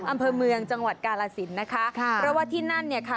อำเภอเมืองจังหวัดกาลสินนะคะค่ะเพราะว่าที่นั่นเนี่ยค่ะ